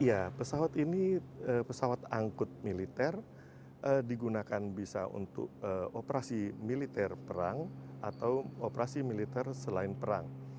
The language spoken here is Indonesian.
iya pesawat ini pesawat angkut militer digunakan bisa untuk operasi militer perang atau operasi militer selain perang